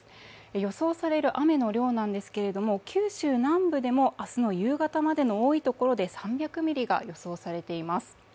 予想される雨の量なんですけれども、九州南部でも明日の夕方までの多いところで３００ミリが予想されています。